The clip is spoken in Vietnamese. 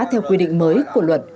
theo quy định mới của luật